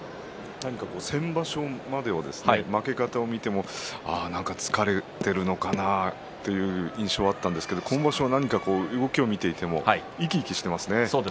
先場所までは負け方を見ても何か疲れているのかなとそういう印象があったんですが今場所は動きを見ていても生き生きしていますよね。